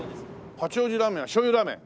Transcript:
八王子ラーメンはしょうゆラーメン。